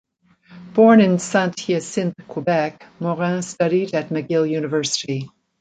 Born in Saint-Hyacinthe, Quebec, Morin studied at McGill University.